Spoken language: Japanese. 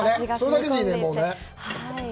それだけでいいね。